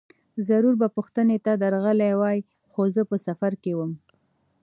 ضرور به پوښتنې ته درغلی وای، خو زه په سفر کې وم.